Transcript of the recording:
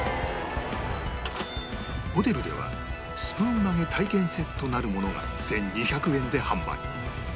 ホテルではスプーン曲げ体験セットなるものが１２００円で販売